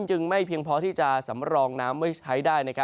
จึงไม่เพียงพอที่จะสำรองน้ำไว้ใช้ได้